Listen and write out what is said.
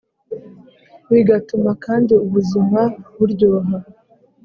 bigatuma kandi ubuzima buryoha